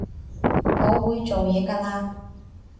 我會做嘢㗎喇